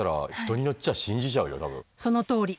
そのとおり。